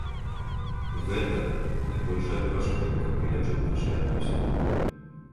Гэта найбольшая перашкода, каб палепшыць нашыя адносіны.